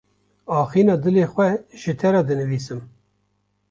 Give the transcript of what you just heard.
Axîna dilê xwe ji te re dinivîsim.